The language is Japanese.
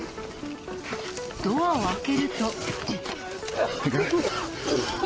ドアを開けると。